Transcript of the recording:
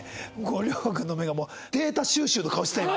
亮吾君の目がもうデータ収集の顔してた今。